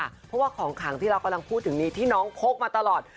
เพราะว่าของขังที่เรากำลังพูดถึงนี้ที่น้องพกมาตลอด